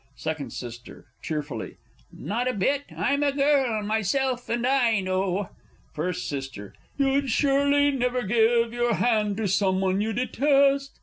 Second S. (cheerfully). Not a bit; I am a girl myself and I know. First S. You'd surely never give your hand to someone you detest?